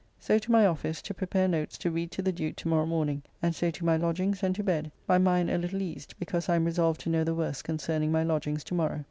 So to my office to prepare notes to read to the Duke to morrow morning, and so to my lodgings and to bed, my mind a little eased because I am resolved to know the worst concerning my lodgings tomorrow.